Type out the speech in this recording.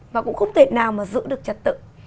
và cũng không thể nào mà giữ được trật tự